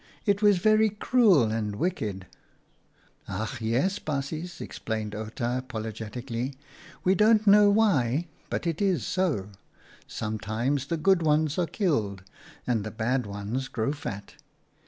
It was very cruel and wicked." 26 OUTA KAREL'S STORIES " Ach yes, baasjes," explained Outa, apolo getically, " we don't know why, but it is so. Sometimes the good ones are killed and the bad ones grow fat.